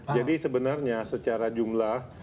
jadi sebenarnya secara jumlah